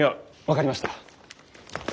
分かりました。